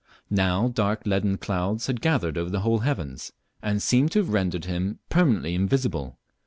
Now dark leaden clouds had gathered over the whole heavens, and seemed to have rendered him permanently invisible.